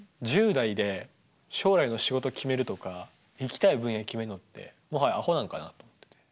１０代で将来の仕事決めるとか行きたい分野決めるのってもはやアホなんかなと思ってて。